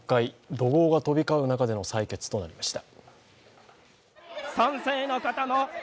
怒号が飛び交う中での採決となりました。